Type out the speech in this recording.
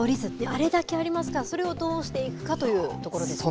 あれだけありますがそれをどうしていくかということですね。